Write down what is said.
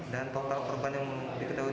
dan total korban yang ditemukan